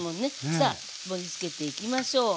さあ盛りつけていきましょう。